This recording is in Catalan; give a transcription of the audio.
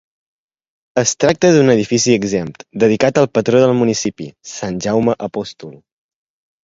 Es tracta d'un edifici exempt, dedicat al patró del municipi, Sant Jaume Apòstol.